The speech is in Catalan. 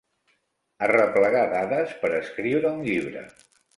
Arreplegar dades per escriure un llibre.